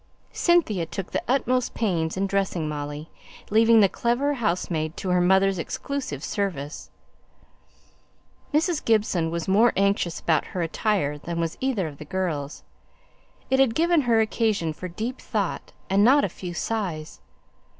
Cynthia took the utmost pains in dressing Molly, leaving the clever housemaid to her mother's exclusive service. Mrs. Gibson was more anxious about her attire than was either of the girls; it had given her occasion for deep thought and not a few sighs.